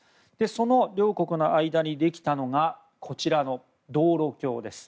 その両国の間にできたのがこちらの道路橋です。